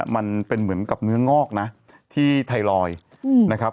มันเป็นเหมือนกับเนื้องอกนะที่ไทรอยด์นะครับ